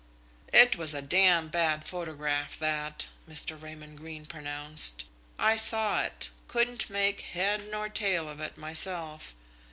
"It was a damned bad photograph, that," Mr. Raymond Greene pronounced. "I saw it couldn't make head nor tail of it, myself.